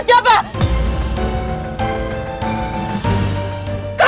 kamu tahu kan